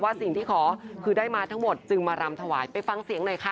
สิ่งที่ขอคือได้มาทั้งหมดจึงมารำถวายไปฟังเสียงหน่อยค่ะ